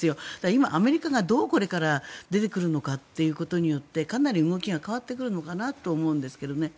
今、アメリカがどうこれから出てくるのかっていうことによってかなり動きが変わってくるのかなと思うんですけどね。